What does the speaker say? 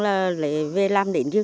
là lấy về làm đến giờ